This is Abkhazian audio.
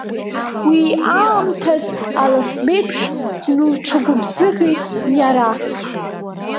Уи аамҭаз аласбеиԥш днылҿагәыбзыӷит иара.